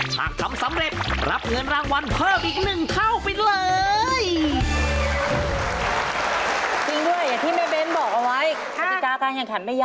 หากทำสำเร็จรับเงินรางวัลเพิ่มอีก๑เท่าไปเลย